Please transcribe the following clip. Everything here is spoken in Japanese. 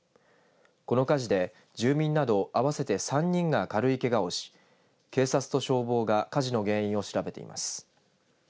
この火事で住民など合わせて３人が軽いけがをし警察と消防が火事の原因を調べています。